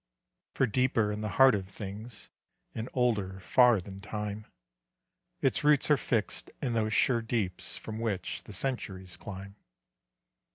For deeper in the heart of things, And older far than time, Its roots are fixed in those sure deeps From which the centuries climb.